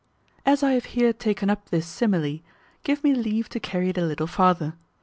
As I have here taken up this simile, give me leave to carry it a little farther.